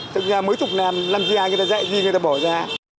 thực ra mấy chục năm làm gì ai người ta dạy gì người ta bỏ ra